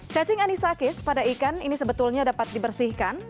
cacing anisakis pada ikan ini sebetulnya dapat dibersihkan